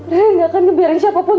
ririn nggak akan ngebering siapa pun